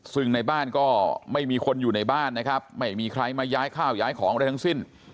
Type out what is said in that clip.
ซึ่งในบ้านก็ไม่มีคนอยู่ในบ้านนะครับไม่มีใครมาย้ายข้าวย้ายของอะไรทั้งสิ้น